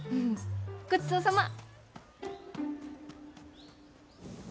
ごちそうさま！